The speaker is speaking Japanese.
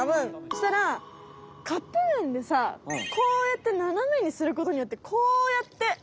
そしたらカップ麺でさこうやってななめにすることによってこうやって。